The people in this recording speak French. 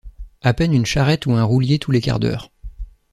À peine une charrette ou un roulier tous les quarts d’heure.